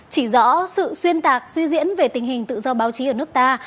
chỉ rõ sự xuyên tạc suy diễn về tình hình tự do báo chí ở nước ta